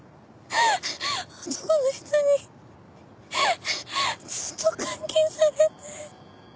男の人にずっと監禁されて。